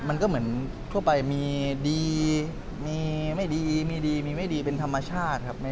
มันก็เหมือนทั่วไปมีดีมีไม่ดีมีดีมีไม่ดีเป็นธรรมชาติครับ